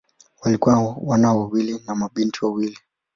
Walikuwa wana wawili na mabinti wawili.